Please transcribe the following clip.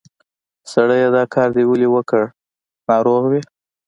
سړیه! دا کار دې ولې وکړ؟ ناروغ وې؟